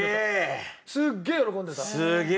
すっげえ喜んでた。